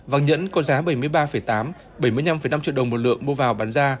vàng nhẫn có giá bảy mươi ba tám bảy mươi năm năm triệu đồng một lượng mua vào bán ra